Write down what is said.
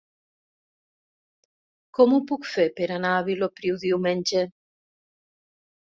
Com ho puc fer per anar a Vilopriu diumenge?